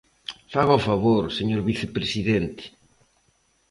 Faga o favor, señor vicepresidente.